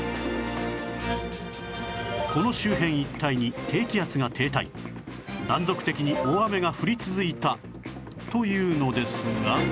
この周辺一帯に低気圧が停滞断続的に大雨が降り続いたというのですが